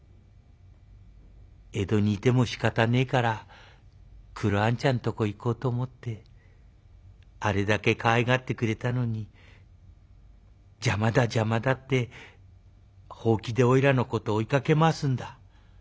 江戸にいてもしかたねえからクロあんちゃんとこ行こうと思ってあれだけかわいがってくれたのに『邪魔だ邪魔だ』ってほうきでおいらのことを追いかけ回すんだ」。